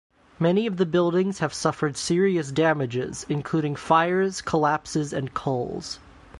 Many of the buildings have suffered serious damages, including fires, collapses, and culls.